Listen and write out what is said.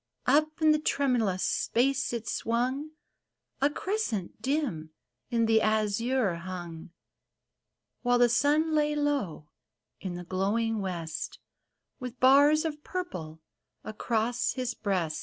Up in the tremulous space it swung, — A crescent dim in the azure hung ; While the sun lay low in the glowing west, With bars of purple across his breast.